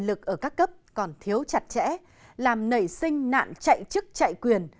quyền lực ở các cấp còn thiếu chặt chẽ làm nảy sinh nạn chạy chức chạy quyền